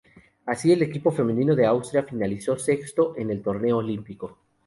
Así, el equipo femenino de Austria finalizó sexto en el torneo olímpico.